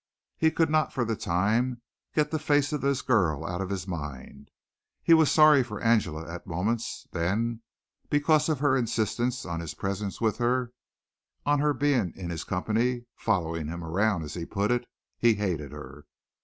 He could not for the time get the face of this girl out of his mind. He was sorry for Angela at moments. Then, because of her insistence on his presence with her on her being in his company, "following him around" as he put it, he hated her.